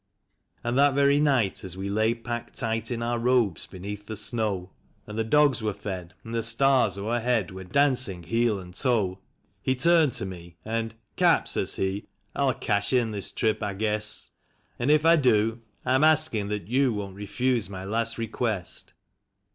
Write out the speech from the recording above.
And that very night as we lay packed tight in our robes beneath the snow^ And the dogs were fed, and the stars o'erhead were dancing heel and toe, He turned to me, and, " Cap," says he, " I'll cash in this trip, I guess ; And if I do, I'm asking that you won't refuse my last request."